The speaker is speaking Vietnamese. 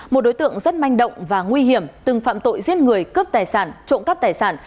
một đối tượng rất manh động và nguy hiểm từng phạm tội giết người cướp tài sản trộm cắp tài sản